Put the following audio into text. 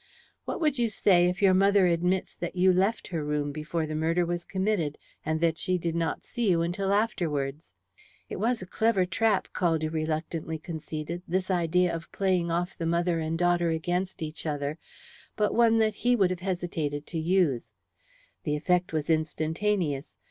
"What would you say if your mother admits that you left her room before the murder was committed, and that she did not see you until afterwards?" It was a clever trap, Caldew reluctantly conceded, this idea of playing off the mother and daughter against each other, but one that he would have hesitated to use. The effect was instantaneous.